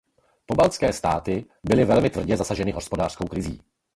Pobaltské státy byly velmi tvrdě zasaženy hospodářskou krizí.